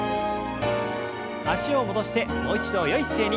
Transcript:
脚を戻してもう一度よい姿勢に。